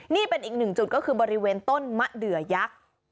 นี่เป็นอีกหนึ่งจุดก็คือบริเวณต้นมะเดือยักษ์